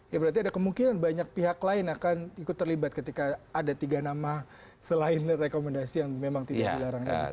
ya berarti ada kemungkinan banyak pihak lain akan ikut terlibat ketika ada tiga nama selain rekomendasi yang memang tidak dilarang tadi